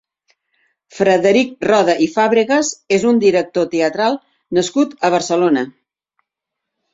Frederic Roda i Fàbregas és un director teatral nascut a Barcelona.